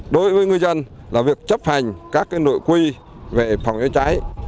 đối với ngư dân là việc chấp hành các nội quy về phòng cháy cháy